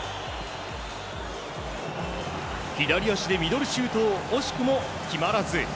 左足でミドルシュートも惜しくも決まらず。